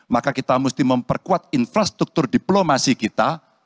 maka kita mesti memperkuat infrastruktur diplomasi kita